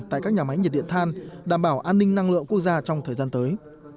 tại các nhà máy nhiệt điện than đảm bảo an ninh năng lượng quốc gia trong thời gian tới